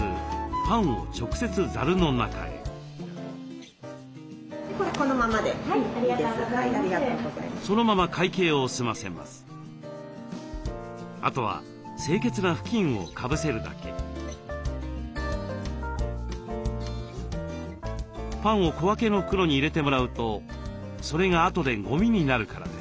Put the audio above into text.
パンを小分けの袋に入れてもらうとそれがあとでゴミになるからです。